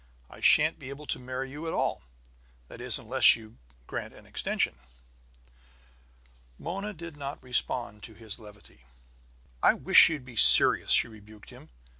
I shan't be able to marry you at all; that is, unless you grant an extension!" Mona did not respond to his levity. "I wish you'd be serious!" she rebuked him.